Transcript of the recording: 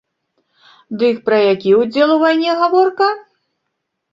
Дык пра які ўдзел у вайне гаворка?